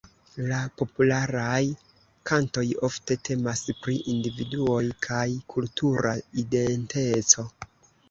La popularaj kantoj ofte temas pri individuoj kaj kultura identeco.